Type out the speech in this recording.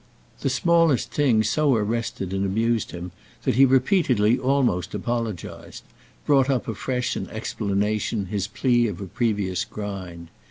The smallest things so arrested and amused him that he repeatedly almost apologised—brought up afresh in explanation his plea of a previous grind.